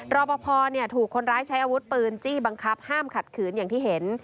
รอปภถูกคนร้ายใช้อาวุธปืนจี้บังคับห้ามขัดขืนอย่างที่เห็น